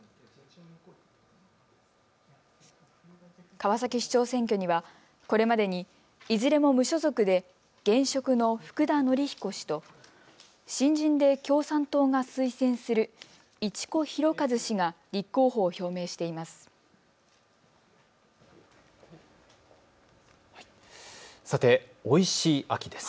川崎市長選挙にはこれまでにいずれも無所属で現職の福田紀彦氏と新人で共産党が推薦する市古博一氏が立候補を表明しています。